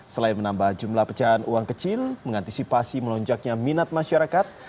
selain menambah jumlah pecahan uang kecil mengantisipasi melonjaknya minat masyarakat